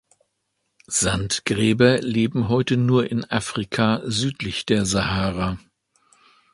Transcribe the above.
Sandgräber leben heute nur in Afrika südlich der Sahara.